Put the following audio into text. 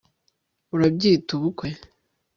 urabyita ubukwe